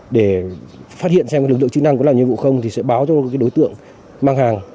để phát hiện xem lực lượng chức năng có làm nhiệm vụ không thì sẽ báo cho đối tượng mang hàng